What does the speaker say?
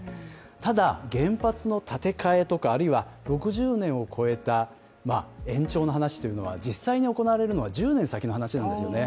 ただ、原発の建て替えとか、あるいは６０年を超えた延長の話というのは実際に行われるのは１０年先の話なんですよね。